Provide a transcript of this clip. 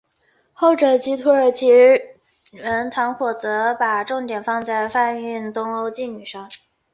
后者即土耳其人团伙则把重点放在贩运东欧妓女上。